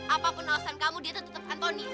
apapun alasan kamu dia tuh tetap anthony